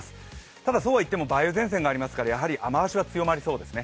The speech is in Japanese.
ただ、そうはいっても梅雨前線がありますから、やはり雨足は強まりそうですね。